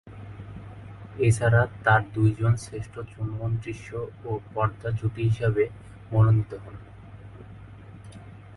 এছাড়া তার দুইজন শ্রেষ্ঠ চুম্বন-দৃশ্য ও পর্দা জুটি হিসেবে মনোনীত হন।